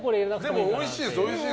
でも、おいしいです。